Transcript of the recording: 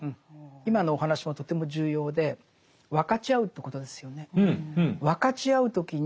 今のお話もとても重要で分かち合うということですよね。